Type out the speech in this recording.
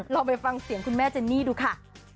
ลองไปฟังเสียงคุณแม่เจนนี่ดูค่ะ